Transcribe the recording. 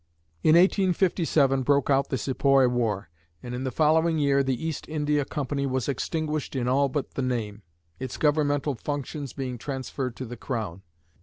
In 1857 broke out the Sepoy war, and in the following year the East India Company was extinguished in all but the name, its governmental functions being transferred to the Crown.